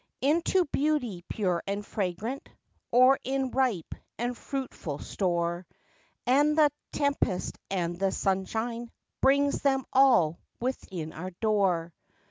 Into beauty pure and fragrant, Or in ripe and fruitful store, And the tempest and the sunshine Brings them all within our door.